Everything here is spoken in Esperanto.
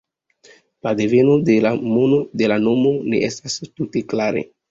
La deveno de la nomo ne estas tute klare.